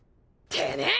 てめえ！